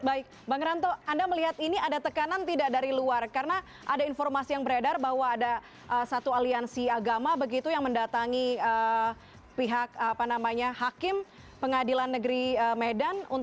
baik bang ranto anda melihat ini ada tekanan tidak dari luar karena ada informasi yang beredar bahwa ada satu aliansi agama begitu yang mendatangi pihak hakim pengadilan negeri medan